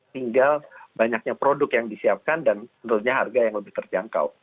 tinggal banyaknya produk yang disiapkan dan menurutnya harga yang lebih terjangkau